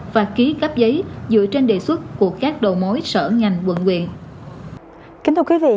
và ký cắp giấy dựa trên đề xuất của các đầu mối sở ngành quận quyện